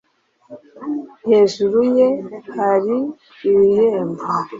hejuru ye hari irembo!